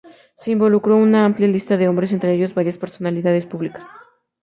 Se involucró a una amplia lista de hombres entre ellos varias personalidades públicas.